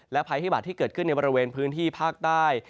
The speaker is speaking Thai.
ภัยพิบัตรที่เกิดขึ้นในบริเวณพื้นที่ภาคใต้